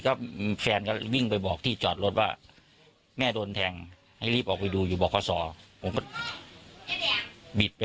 พอมันไปเห็นสภาพตรงนั้นเป็นยังไงน้องบิด